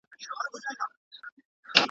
وارخطا سو ویل څه غواړې په غره کي.